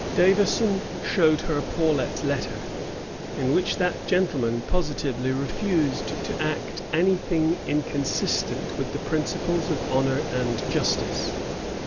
Davison showed her Paulet's letter, in which that gentleman positively refused to act any thing inconsistent with the principles of honor and justice.